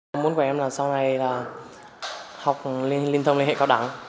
một môn của em là sau này là học lên liên thông liên hệ cao đẳng